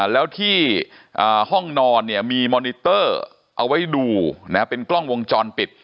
แล้วที่ห้องนอนเนี่ยมีมอนิเตอร์เอาไว้ดูเป็นกล้องวงจรปิด